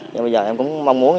nhưng bây giờ em cũng mong muốn